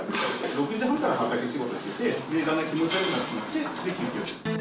６時半から畑仕事してて、それでだんだん気持ち悪くなっていって、で、救急車。